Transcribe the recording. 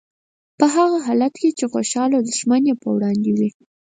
په هغه حالت کې چې خوشحاله دښمن یې په وړاندې وي.